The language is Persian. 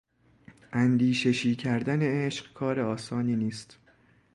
اندیششی کردن عشق کار آسانی نیست.